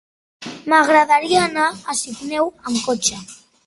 M'agradaria anar a Sineu amb cotxe.